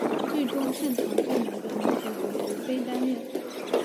最终圣堂之门的女主角由飞担任。